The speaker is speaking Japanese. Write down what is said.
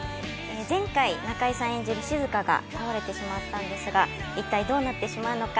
前回中井さん演じる静が倒れてしまったんですが一体どうなってしまうのか。